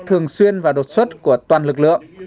thường xuyên và đột xuất của toàn lực lượng